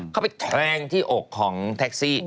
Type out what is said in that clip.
เข้าไปแทงที่อกของแท็กซี่